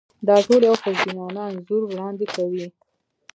دا ټول یو خوشبینانه انځور وړاندې کوي.